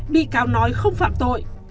bị cáo nói không phạm tội